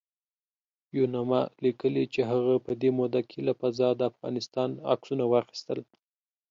یوناما لیکلي چې هغه په دې موده کې له فضا د افغانستان عکسونه واخیستل